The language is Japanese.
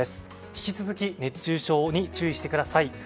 引き続き熱中症に注意してください。